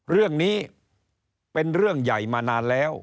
เรื่องนี้เป็นเรื่องใหญ่มานานแล้ว